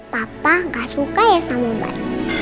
baba gak suka ya samoban